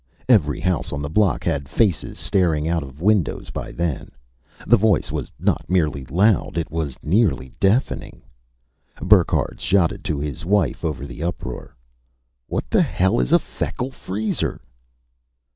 Every house on the block had faces staring out of windows by then. The voice was not merely loud; it was nearly deafening. Burckhardt shouted to his wife, over the uproar, "What the hell is a Feckle Freezer?"